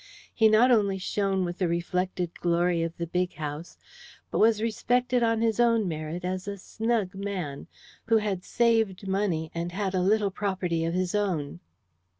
He not only shone with the reflected glory of the big house, but was respected on his own merit as a "snug" man, who had saved money, and had a little property of his own.